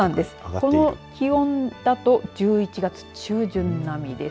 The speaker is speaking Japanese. この気温だと１１月中旬並みです。